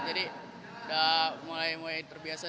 jadi udah mulai main terbiasa